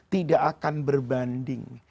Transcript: tidak akan berbanding